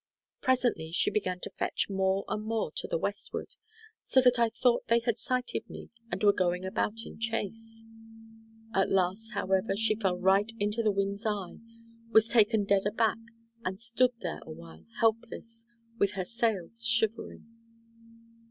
Presently she began to fetch more and more to the westward, so that I thought they had sighted me and were going about in chase. At last, however, she fell right into the wind's eye, was taken dead aback, and stood there a while helpless, with her sails shivering.